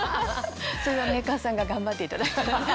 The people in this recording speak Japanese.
それはメーカーさんが頑張っていただいて。